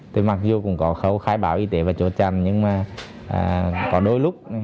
thì mặc dù cũng có khâu khai báo y tế và chốt chằn nhưng mà có đôi lúc